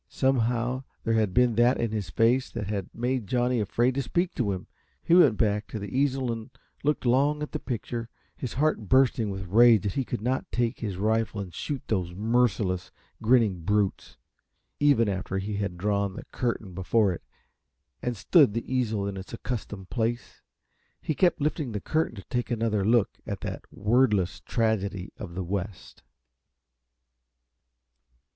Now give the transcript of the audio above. Somehow there had been that in his face that had made Johnny afraid to speak to him. He went back to the easel and looked long at the picture, his heart bursting with rage that he could not take his rifle and shoot those merciless, grinning brutes. Even after he had drawn the curtain before it and stood the easel in its accustomed place, he kept lifting the curtain to take another look at that wordless tragedy of the West.